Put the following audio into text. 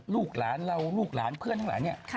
ลูกหลานเราลูกหลานเพื่อนทั้งหลานเนี่ย